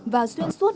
và xuyên suốt